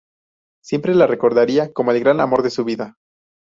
Siempre la recordaría como el gran amor de su vida.